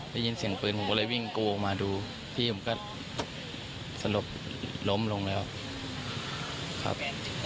ได้ยินเสียงปืนผมก็เลยวิ่งกูออกมาดูพี่ผมก็สลบล้มลงแล้วครับ